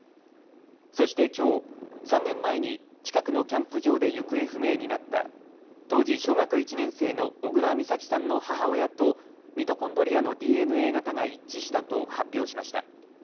そしてきょう３年前に近くのキャンプ場で行方不明になった当時小学１年生の小倉美咲さんの母親とミトコンドリアのＤＮＡ型が一致したと発表しました。